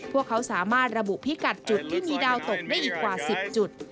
พวกเขาสามารถระบุพิกัดจุดที่มีดาวตกได้อีกกว่า๑๐จุด